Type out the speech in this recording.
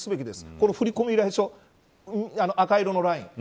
この振り込み依頼書赤色のライン